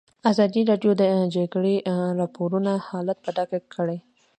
ازادي راډیو د د جګړې راپورونه حالت په ډاګه کړی.